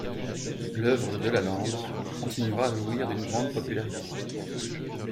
L’œuvre de Delalande continuera de jouir d'une grande popularité.